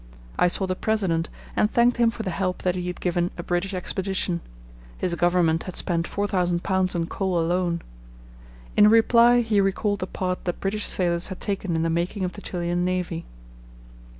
I saw the President and thanked him for the help that he had given a British expedition. His Government had spent £4000 on coal alone. In reply he recalled the part that British sailors had taken in the making of the Chilian Navy.